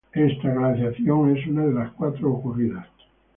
Esta glaciación es una de las cuatro ocurridas.